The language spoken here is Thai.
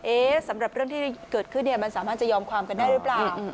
สำหรับเรื่องที่เกิดขึ้นเนี่ยมันสามารถจะยอมความกันได้หรือเปล่า